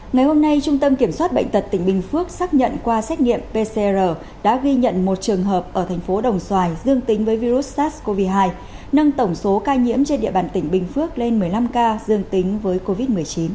ngày hôm nay trung tâm kiểm soát bệnh tật tỉnh bình phước xác nhận qua xét nghiệm pcr đã ghi nhận một trường hợp ở thành phố đồng xoài dương tính với virus sars cov hai nâng tổng số ca nhiễm trên địa bàn tỉnh bình phước lên một mươi năm ca dương tính với covid một mươi chín